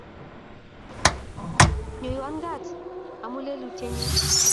Nyoiwon kaat amun lelutyennyu